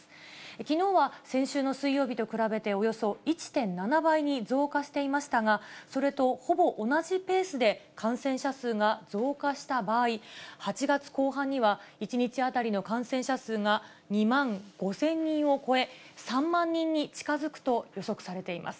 きのうは先週の水曜日と比べておよそ１．７倍に増加していましたが、それとほぼ同じペースで感染者数が増加した場合、８月後半には、１日当たりの感染者数が２万５０００人を超え、３万人に近づくと予測されています。